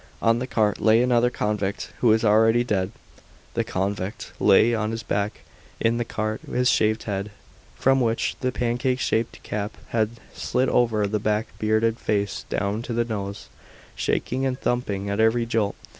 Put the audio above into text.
On the cart lay another convict, who was already dead. The convict lay on his back in the cart, his shaved head, from which the pancake shaped cap had slid over the black bearded face down to the nose, shaking and thumping at every jolt.